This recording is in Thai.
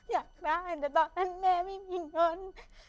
อยากได้แต่ตอนนั้นแม่ไม่มีเงิน